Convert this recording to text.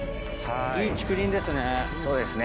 いい竹林ですね。